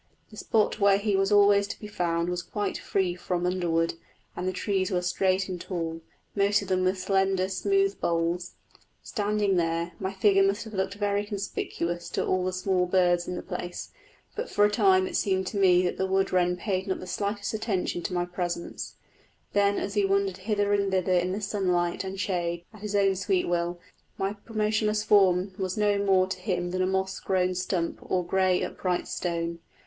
The spot where he was always to be found was quite free from underwood, and the trees were straight and tall, most of them with slender, smooth boles. Standing there, my figure must have looked very conspicuous to all the small birds in the place; but for a time it seemed to me that the wood wren paid not the slightest attention to my presence; that as he wandered hither and thither in sunlight and shade at his own sweet will, my motionless form was no more to him than a moss grown stump or grey upright stone.